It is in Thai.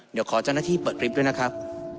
เดี๋ยวขอเจ้าหน้าที่เปิดคลิปด้วยนะครับ